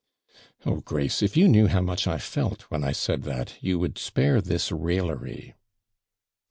'Oh, Grace, if you knew how much I felt when I said that, you would spare this raillery.'